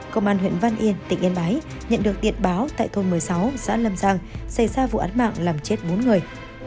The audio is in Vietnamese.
công an huyện văn yên tỉnh yên bái nhận được tiện báo tại thôn một mươi sáu xã lâm giang xảy ra vụ án mạng làm chết bốn người